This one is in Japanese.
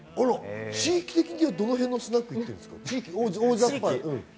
地域的にはどの辺のスナックですか？